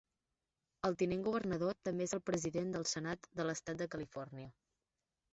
El tinent governador també és el president del Senat de l'Estat de Califòrnia.